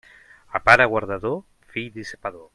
A pare guardador, fill dissipador.